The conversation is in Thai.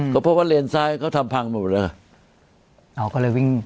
ก็เพราะว่าเลนซ้ายเขาทำพังหมดแล้ว